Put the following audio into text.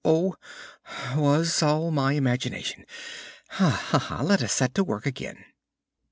oh!' was all my imagination! Let us set to work again."